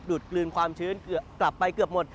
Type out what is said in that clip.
ดกลืนความชื้นกลับไปเกือบหมด